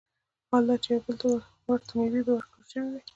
حال دا چي يوې بلي ته ورته مېوې به وركړى شوې وي